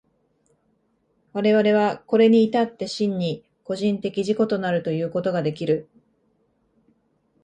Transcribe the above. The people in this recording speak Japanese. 我々はこれに至って真に個人的自己となるということができる。